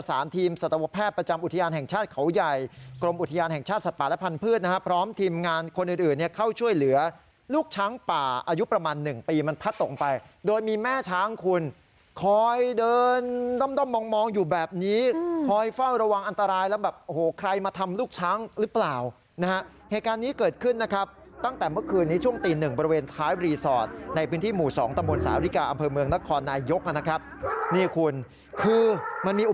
ปรับปรับปรับปรับปรับปรับปรับปรับปรับปรับปรับปรับปรับปรับปรับปรับปรับปรับปรับปรับปรับปรับปรับปรับปรับปรับปรับปรับปรับปรับปรับปรับปรับปรับปรับปรับปรับปรับปรับปรับปรับปรับปรับปรับปรับปรับปรับปรับปรับปรับปรับปรับปรับปรับปรับป